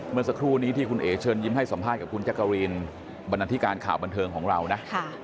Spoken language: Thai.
เมื่อสักครู่นี้ที่คุณเอ๋เชิญยิ้มให้สัมภาษณ์กับคุณจักรีนบรรณาธิการข่าวบันเทิงของเรานะ